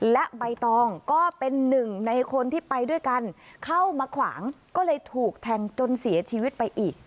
และใบตองก็เป็นหนึ่งในคนที่ไปด้วยกันเข้ามาขวางก็เลยถูกแทงจนเสียชีวิตไปอีก